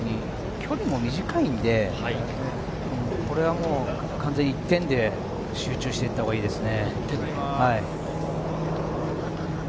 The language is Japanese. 距離も短いので、これはもう完全に一点で集中していったほうがいいですね。